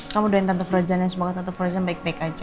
kamu doain tante frozen yang semoga tante frozen baik baik aja